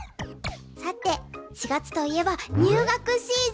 さて４月といえば入学シーズン。